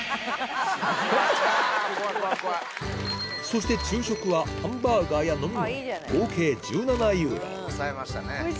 そして昼食はハンバーガーや飲み物合計１７ユーロ抑えましたね。